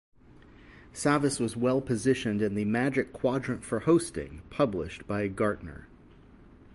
Savvis was well positioned in the "Magic Quadrant for Hosting" published by Gartner.